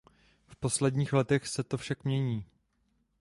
V posledních letech se to však mění.